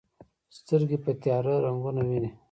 سترګې په تیاره رنګونه ویني.